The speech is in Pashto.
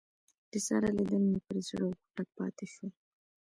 د سارا لیدل مې پر زړه غوټه پاته شول.